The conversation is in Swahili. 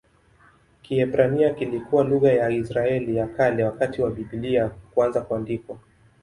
Kiebrania kilikuwa lugha ya Israeli ya Kale wakati wa Biblia kuanza kuandikwa.